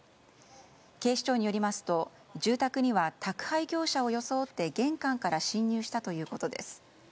警視庁によりますと住宅には宅配業者を装って玄関から侵入したということです。